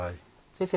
先生